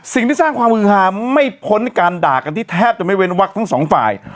สิ่งที่สร้างความมือฮาไม่พ้นการด่ากันที่แทบจะไม่เว้นวักทั้งสองฝ่าย